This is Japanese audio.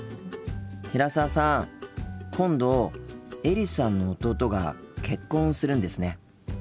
今度エリさんの弟が結婚するんですね。